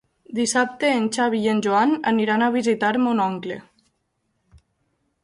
Dissabte en Xavi i en Joan aniran a visitar mon oncle.